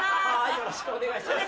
よろしくお願いします。